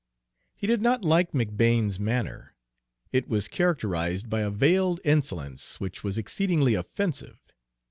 He did not like McBane's manner, it was characterized by a veiled insolence which was exceedingly offensive.